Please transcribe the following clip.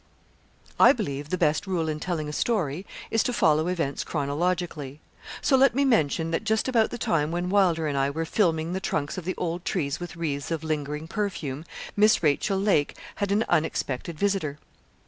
I believe the best rule in telling a story is to follow events chronologically. So let me mention that just about the time when Wylder and I were filming the trunks of the old trees with wreaths of lingering perfume, Miss Rachel Lake had an unexpected visitor.